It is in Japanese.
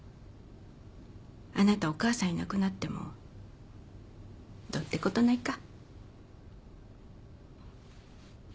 あなたお母さんいなくなってもどうってことないか